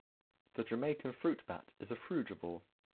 The Jamaican fruit bat is a frugivore.